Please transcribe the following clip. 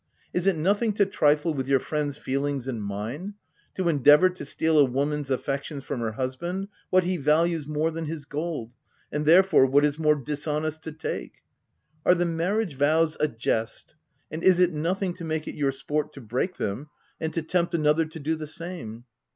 Is it nothing to trifle with your OP WILDFELL HALL,. 141 friend's feelings and mine — to endeavour to steal a woman's affections from her husband — what he values more than his gold, and therefore what it is more dishonest to take ? Are the marriage vows a jest ; and is it nothing to make it your sport to break them, and to tempt ano ther to do the same